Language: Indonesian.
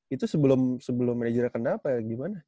itu sebelum managernya kena apa gimana